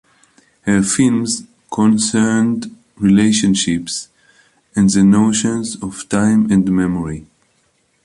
Her films concerned relationships and the notions of time and memory.